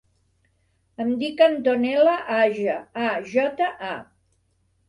Em dic Antonella Aja: a, jota, a.